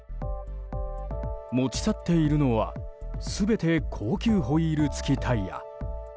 持ち去っているのは全て高級ホイール付きタイヤ。